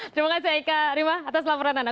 terima kasih eka rima atas laporan anda